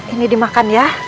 ini dimakan ya